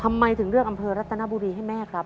ทำไมถึงเลือกอำเภอรัตนบุรีให้แม่ครับ